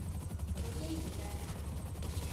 昨天也在看